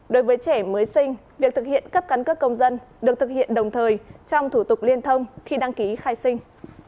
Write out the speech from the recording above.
đối với trẻ mới sinh việc thực hiện cấp căn cước công dân được thực hiện đồng thời trong thủ tục liên thông khi đăng ký khai sinh